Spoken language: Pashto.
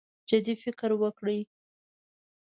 جدي فکر وکړي.